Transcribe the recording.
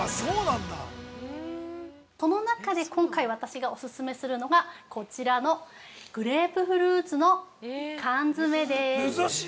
◆この中で、今回私がお勧めするのは、こちらのグレープフルーツの缶詰です。